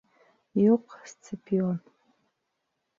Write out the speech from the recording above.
Юҡ, Сципион.